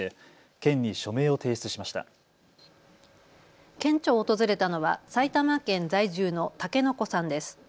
県庁を訪れたのは埼玉県在住の竹乃娘さんです。